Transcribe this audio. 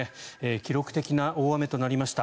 記録的な大雨となりました。